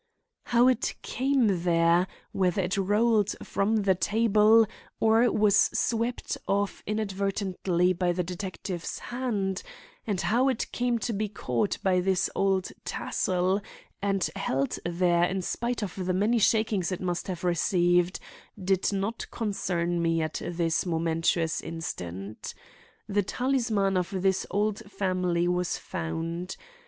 How it came there—whether it rolled from the table, or was swept off inadvertently by the detective's hand, and how it came to be caught by this old tassel and held there in spite of the many shakings it must have received, did not concern me at this momentous instant. The talisman of this old family was found.